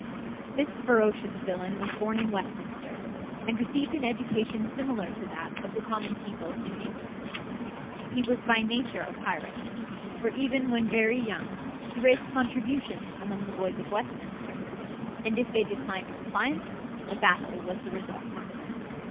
This ferocious villain was born in Westminster, and received an education similar to that of the common people in England. He was by nature a pirate; for even when very young he raised contributions among the boys of Westminster, and if they declined compliance, a battle was the result.